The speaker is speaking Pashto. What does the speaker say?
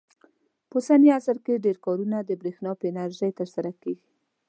په اوسني عصر کې ډېر کارونه د برېښنا په انرژۍ ترسره کېږي.